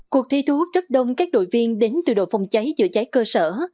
cuộc thi thu hút rất đông các đội viên đến từ đội phòng cháy chữa cháy cơ sở